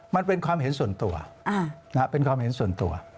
มันเป็นความเห็นส่วนตัว